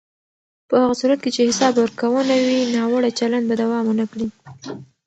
په هغه صورت کې چې حساب ورکونه وي، ناوړه چلند به دوام ونه کړي.